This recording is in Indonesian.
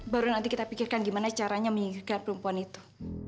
baru nanti kita pikirkan gimana caranya menyingkirkan perempuan itu